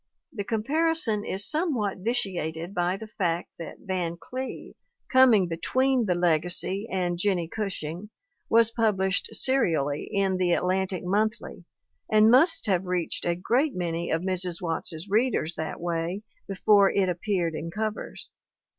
The comparison is somewhat vitiated by the fact that Van Cleve, coming between The Legacy and Jennie Gushing, was published serially in the Atlantic Monthly and must have reached a great many of Mrs. Watts's readers that way before it appeared in covers.